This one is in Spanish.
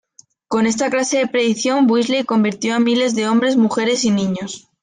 Con esta clase de predicación, Wesley convirtió a miles de hombres, mujeres y niños.